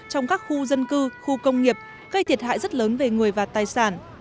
trong các khu dân cư khu công nghiệp gây thiệt hại rất lớn về người và tài sản